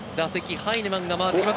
ハイネマンが回ってきます。